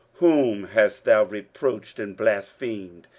23:037:023 Whom hast thou reproached and blasphemed?